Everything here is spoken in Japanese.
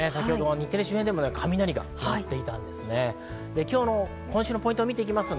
日テレ周辺でも雷が鳴っていました。